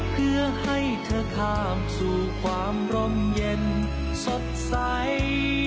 เพื่อให้เธอข้ามสู่ความร่มเย็นสดใส